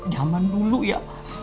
jaman dulu ya